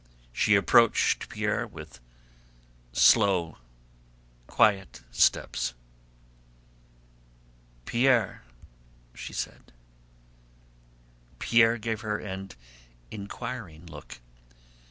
She approached Pierre with slow, quiet steps. "Pierre!" she said. Pierre gave her an inquiring look.